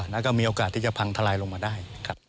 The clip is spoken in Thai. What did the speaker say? แล้วก็มีโอกาสที่จะพังทลายลงมาได้